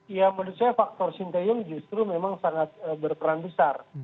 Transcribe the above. ya menurut saya faktor sinteyong justru memang sangat berperan besar